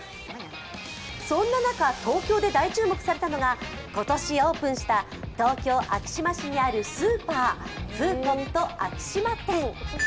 そんな中、東京で大注目されたのが今年オープンした東京・昭島市にあるスーパー、フーコット昭島店。